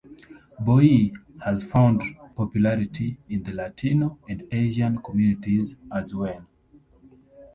"Boi" has found popularity in the Latino and Asian communities as well.